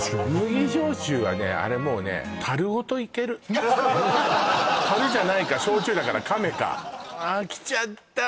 麦焼酎はねあれもうね樽じゃないか焼酎だからかめかあーきちゃった